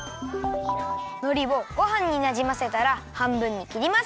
のりをごはんになじませたらはんぶんにきります。